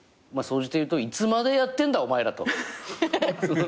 まあ総じて言うといつまでやってんだお前らと。